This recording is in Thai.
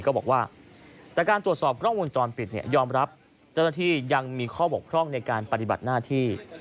ก็บอกว่าจากการตรวจสอบกล้องวงจรปิดเนี่ยยอมรับเจ้าหน้าที่ยังมีข้อบกพร่องในการปฏิบัติหน้าที่